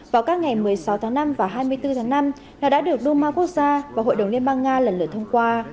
vào các ngày một mươi sáu tháng năm và hai mươi bốn tháng năm là đã được duma quốc gia và hội đồng liên bang nga lần lượt thông qua